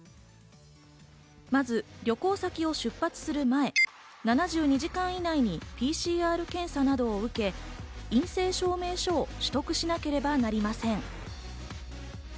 まず旅行先を出発する前、７２時間以内にＰＣＲ検査などを受け、陰性証明書を取得しなければなりません。